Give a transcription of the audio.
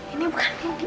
ini bukan mimpi